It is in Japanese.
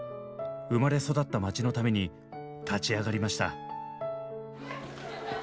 生まれ育った町のために立ち上がりました。